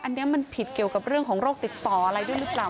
อันนี้มันผิดเกี่ยวกับเรื่องของโรคติดต่ออะไรด้วยหรือเปล่า